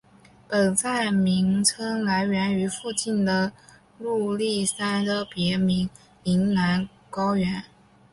本站名称来源于附近的入笠山的别名铃兰高原。